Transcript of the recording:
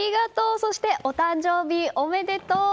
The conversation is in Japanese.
そして、お誕生日おめでとう！